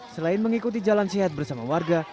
selain mengikuti jalan sehat bersama warga